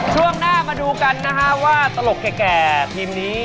ช่วงหน้ามาดูกันนะฮะว่าตลกแก่ทีมนี้